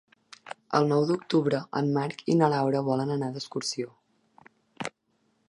El nou d'octubre en Marc i na Laura volen anar d'excursió.